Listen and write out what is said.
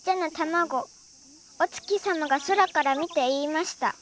おつきさまがそらからみていいました。